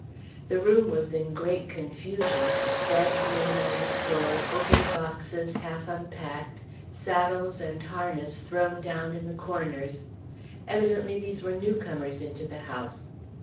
The room was in great confusion, beds made on the floor, open boxes half unpacked, saddles and harness thrown down in the corners; evidently there were new comers into the house.